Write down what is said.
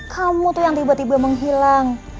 kamu tuh yang tiba tiba menghilang